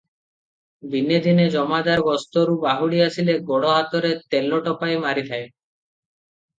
ଦିନେ ଦିନେ ଜମାଦାର ଗସ୍ତରୁ ବାହୁଡି ଆସିଲେ ଗୋଡ଼ ହାତରେ ତେଲ ଟୋପାଏ ମାରିଦିଏ ।